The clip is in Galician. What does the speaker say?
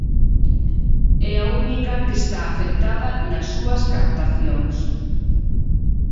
É a única que está afectada nas súas captacións.